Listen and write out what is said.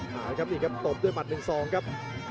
มาครับนี่ครับตบด้วยหมัด๑๒ครับ